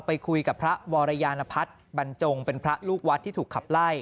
ไปคุยกับพระวรยานพัฒน์บรรจงเป็นพระลูกวัดที่ถูกขับไล่